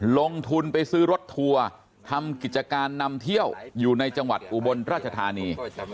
ลงทุนไปซื้อรถทัวร์ทำกิจการนำเที่ยวอยู่ในจังหวัดอุบลราชธานี